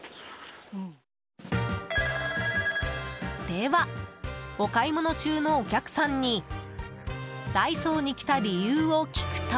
では、お買い物中のお客さんにダイソーに来た理由を聞くと。